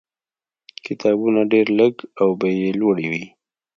کتابونه ډېر لږ او بیې یې لوړې وې.